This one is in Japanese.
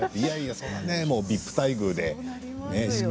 ＶＩＰ待遇で。